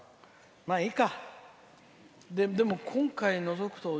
まあ、いいか。